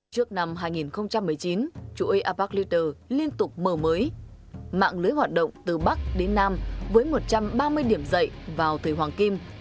trước năm hai nghìn một mươi chín chuỗi apex leaders liên tục mở mới mạng lưới hoạt động từ bắc đến nam với một trăm ba mươi điểm dậy vào thời hoàng kim